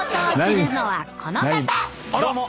どうも！